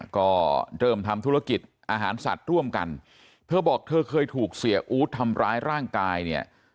ก็เริ่มทำธุรกิจอาหารสัตว์ร่วมกันเธอบอกเธอเคยถูกเสียอู๊ดทำร้ายร่างกายเนี่ย